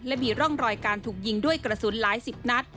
และมีร่องรอยการถูกยิงด้วยกระสุนหลายสิบนัด